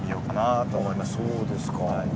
あっそうですか。